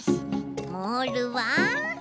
モールは？